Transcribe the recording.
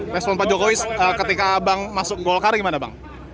respon pak jokowi ketika abang masuk golkar gimana bang